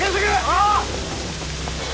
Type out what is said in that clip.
ああ！